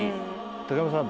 竹山さん。